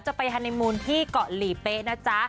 ไปฮานีมูลที่เกาะหลีเป๊ะนะจ๊ะ